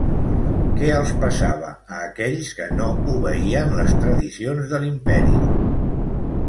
Què els passava a aquells que no obeïen les tradicions de l'imperi?